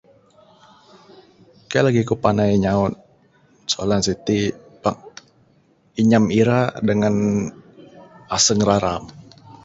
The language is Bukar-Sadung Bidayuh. Kaik lagih ku panai nyaut soalan siti pak inyam ira dangan aseng raram.